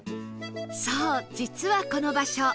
そう実はこの場所